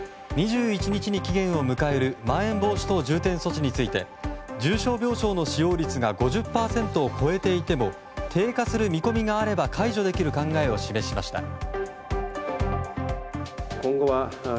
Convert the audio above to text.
２１日に期限を迎えるまん延防止等重点措置について重症病床の使用率が５０％を超えていても低下する見込みがあれば解除できる考えを示しました。